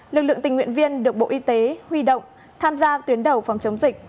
lực lượng tình nguyện viên được bộ y tế huy động tham gia tuyến đầu phòng chống dịch